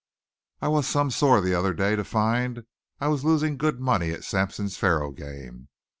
I was some sore the other day to find I was losing good money at Sampson's faro game.